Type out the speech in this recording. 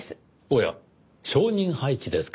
おや昇任配置ですか。